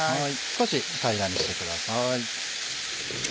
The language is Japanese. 少し平らにしてください。